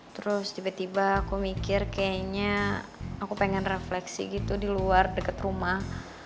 terus tiba tiba aku mikir kayaknya aku pengen refleksi gitu di luar dekat rumah